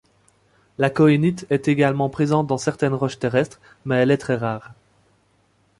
La cohénite est également présente dans certaines roches terrestres mais elle est très rare.